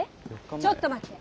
ちょっと待って！